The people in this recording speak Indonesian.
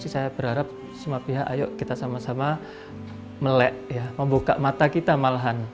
saya berharap semua pihak ayo kita sama sama melek membuka mata kita malahan